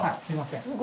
すいません。